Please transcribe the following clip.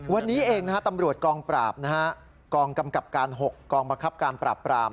วันนี้เองนะฮะตำรวจกองปราบนะฮะกองกำกับการ๖กองบังคับการปราบปราม